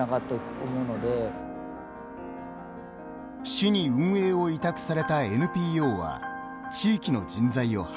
市に運営を委託されたＮＰＯは地域の人材を発掘。